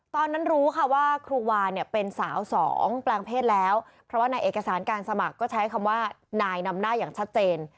ตอนนั้นรู้ค่ะว่าครูวาเนี่ยเป็นสาวสองแปลงเพศแล้วเพราะว่าในเอกสารการสมัครก็ใช้คำว่านายนำหน้าอย่างชัดเจน